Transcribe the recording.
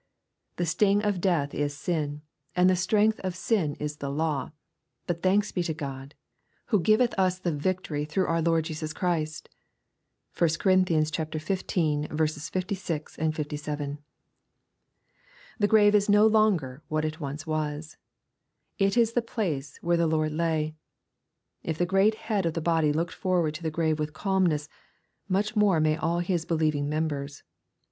" The sting of death is sin ; and the strength of sin is the law. But thanks be to God, who giveth us the victory through our Lord Jesus Christ/' (1 Cor. xv. 56, 57.) The grave is no longer what it once was. It is the place where the Lord lay. If the great Head of the body looked forward to the grave with calmness, much more may all His be lieving members.